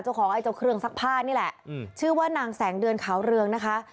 ไอ้เจ้าเครื่องซักผ้านี่แหละชื่อว่านางแสงเดือนขาวเรืองนะคะ